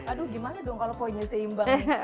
aduh gimana dong kalau poinnya seimbang